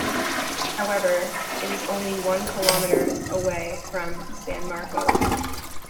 However, it is only one kilometers away from San Marcos.